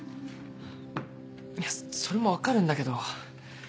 いやそれも分かるんだけど。